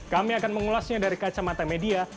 kami akan mengulasnya dari kacamata media